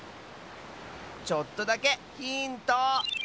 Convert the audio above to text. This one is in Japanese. ちょっとだけヒント！